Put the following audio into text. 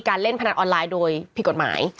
เล่นพนันออนไลน์โดยผิดกฎหมาย